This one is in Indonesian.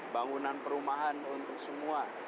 bangunan perumahan untuk semua